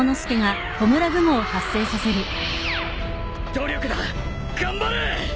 努力だ頑張れ！